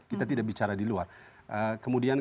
kita tidak bicara di luar kemudian